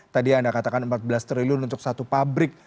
tadi anda katakan empat belas triliun untuk satu pabrik